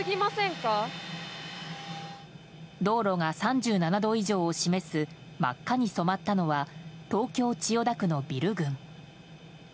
道路が３７度以上を示す真っ赤に染まったのは東京・千代田区のビル群。